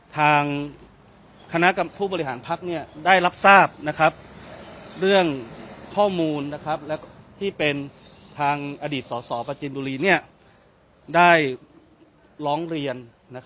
ทางคณะผู้บริหารพักได้รับทราบเรื่องข้อมูลและที่เป็นทางอดีตสสประจินบุรีได้ร้องเรียน